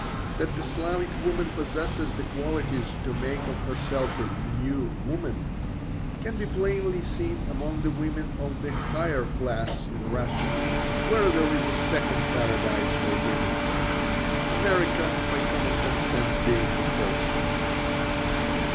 That the Slavic woman possesses the qualities to make of herself a "new woman" can be plainly seen among the women of the higher class in Russia, where there is a second paradise for women; America, by common consent, being the first.